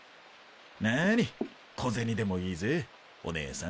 なに小銭でもいいぜおねえさん。